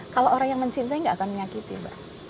kalau orang yang mencintai nggak akan menyakiti mbak